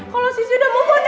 kalau sisi udah move on dari dia